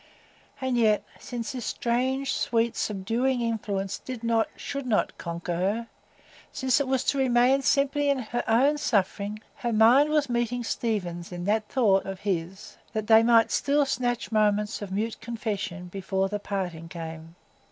And yet, since this strange, sweet, subduing influence did not, should not, conquer her,—since it was to remain simply her own suffering,—her mind was meeting Stephen's in that thought of his, that they might still snatch moments of mute confession before the parting came.